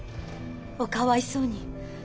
おかわいそうに。